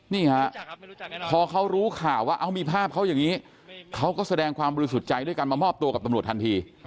นี่ฮะพอเขารู้ข่าวว่าเอามีภาพเขาอย่างนี้เขาก็แสดงความบริสุทธิ์ใจด้วยกันมามอบตัวกับตำรวจทันที